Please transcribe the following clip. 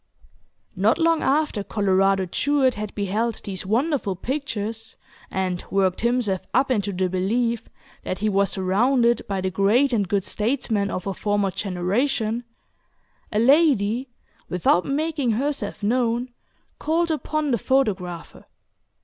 Not long after Colorado Jewett had beheld these wonderful pictures, and worked himself up into the belief that he was surrounded by the great and good statesmen of a former generation, a lady, without making herself known, called upon the photographer.